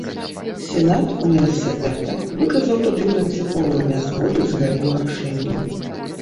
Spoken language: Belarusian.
Сенат універсітэта выказаў тады прынцыповую нязгоду з гэтым рашэннем.